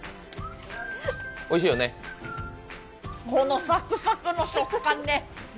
このサクサクの食感ね。